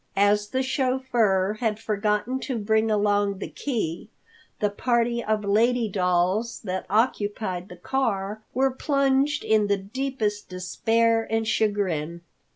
As the chauffeur had forgotten to bring along the key, the party of lady dolls that occupied the car were plunged in the deepest despair and chagrin.